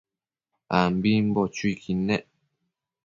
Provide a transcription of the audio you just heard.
ambimbo chuiquid nec